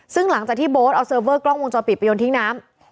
ซึ่งหลังจากที่โบ๊ทเอาเซิร์ฟเวอร์กล้องวงจรปิดไปโยนทิ้งน้ำ